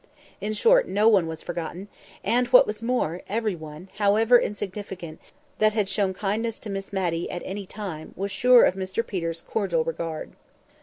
In short, no one was forgotten; and, what was more, every one, however insignificant, who had shown kindness to Miss Matty at any time, was sure of Mr Peter's cordial regard.